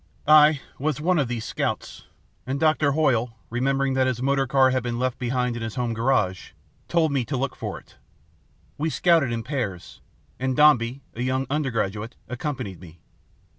"I was one of these scouts; and Doctor Hoyle, remembering that his motor car had been left behind in his home garage, told me to look for it. We scouted in pairs, and Dombey, a young undergraduate, accompanied me.